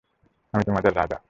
আমি তোমাদের রাজা।